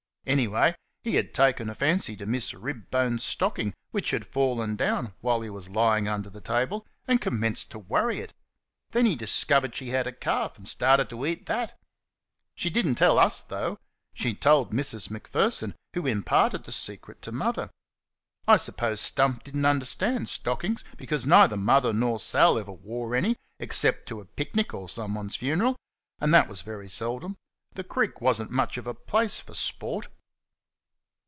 Anyway, he had taken a fancy to Miss Ribbone's stocking, which had fallen down while he was lying under the table, and commenced to worry it. Then he discovered she had a calf, and started to eat THAT. She did n't tell US though she told Mrs. Macpherson, who imparted the secret to mother. I suppose Stump did n't understand stockings, because neither Mother nor Sal ever wore any, except to a picnic or somebody's funeral; and that was very seldom. The Creek was n't much of a place for sport.